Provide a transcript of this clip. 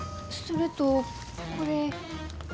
それとこれ。